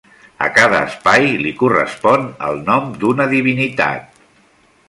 A cada espai li correspon el nom d'una divinitat.